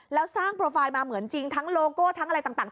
แล้วสร้างโปรไฟล์มาเหมือนจริงทั้งโลโก้ทั้งอะไรต่าง